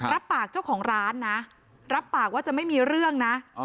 รับปากเจ้าของร้านนะรับปากว่าจะไม่มีเรื่องนะ